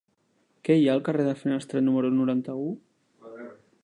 Què hi ha al carrer de Finestrat número noranta-u?